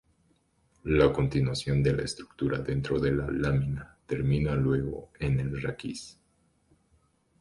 La continuación de la estructura dentro de la lámina termina luego en el raquis.